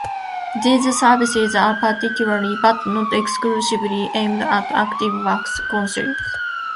These services are particularly, but not exclusively, aimed at active works councils.